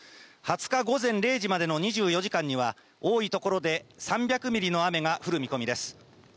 ２０日午前０時までの２４時間には、多い所で、３００ミリの雨が降る見込みです。